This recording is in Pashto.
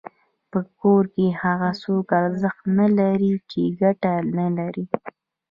په کور کي هغه څوک ارزښت نلري چي ګټه نلري.